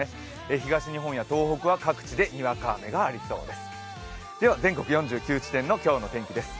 東日本や東北は今日は各地でにわか雨がありそうです。